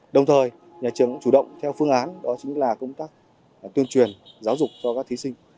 đồng thời nhà trường cũng chủ động theo phương án đó chính là công tác tuyên truyền giáo dục cho các thí sinh